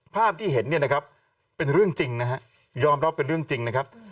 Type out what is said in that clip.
ภาพที่เห็นเนี่ยนะครับเป็นเรื่องจริงนะฮะยอมรับเป็นเรื่องจริงนะครับ